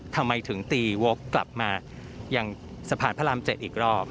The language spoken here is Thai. ทำไมถึงตีวกกลับมาอย่างสะพานพระราม๗อีกรอบ